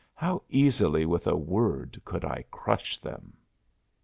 How easily with a word could I crush them!"